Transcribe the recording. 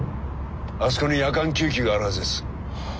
あそこに夜間救急があるはずです。